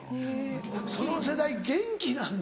その世代元気なんだ。